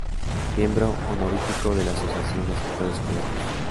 Miembro honorífico de la Asociación de Escritores Polacos.